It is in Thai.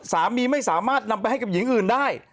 สามีไม่สามารถนำไปให้กับหญิงอื่นได้